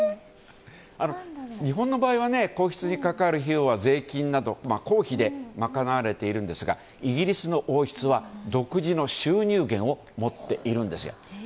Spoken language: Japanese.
日本の場合は皇室に関わる費用は税金など公費で賄われているんですがイギリスの王室は独自の収入源を持っているんですよ。